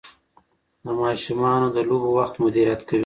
د ماشومانو د لوبو وخت مدیریت کوي.